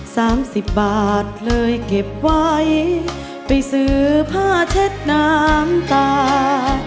สามสิบบาทเคยเก็บไว้ไปซื้อผ้าเช็ดน้ำตา